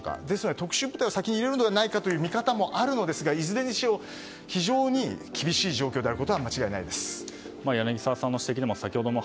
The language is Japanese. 特殊部隊を先に入れるのではという見方もあるのですがいずれにしろ非常に厳しい状況であることは間違いないです。